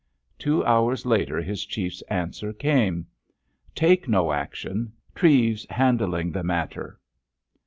_ Two hours later his Chief's answer came. _Take no action. Treves handling the matter.